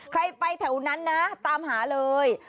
ใครไปแถวนั้นนะตามหาเลย